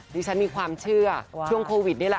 ดิฉันมีความเชื่อช่วงโควิดนี่แหละ